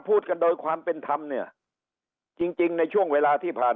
พูดกันโดยความเป็นธรรมเนี่ยจริงจริงในช่วงเวลาที่ผ่าน